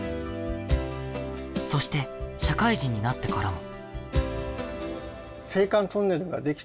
そして、社会人になってからも。